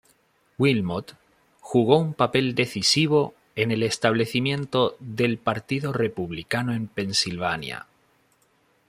Wilmot jugó un papel decisivo en el establecimiento del Partido Republicano en Pennsylvania.